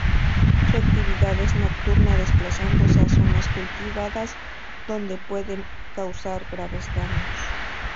Su actividad es nocturna desplazándose a zonas cultivadas, donde pueden causar graves daños.